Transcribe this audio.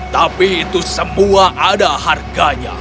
tapi itu semua ada harganya